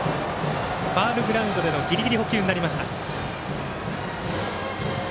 ファウルグラウンドでのギリギリの捕球になりました。